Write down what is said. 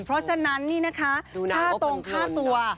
เพราะฉะนั้นนี่นะคะค่าตรงค่าตัว